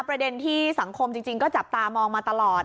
ประเด็นที่สังคมจริงก็จับตามองมาตลอด